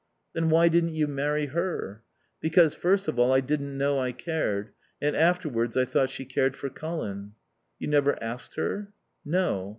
"Then why didn't you marry her?" "Because, first of all, I didn't know I cared. And afterwards I thought she cared for Colin." "You never asked her?" "No.